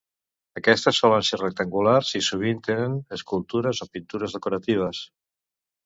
Aquests solen ser rectangulars i sovint tenen escultures o pintures decoratives.